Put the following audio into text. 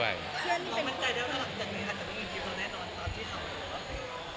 เราคาวหายดียังกลุ่ม